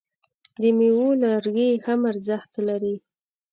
د میوو لرګي هم ارزښت لري.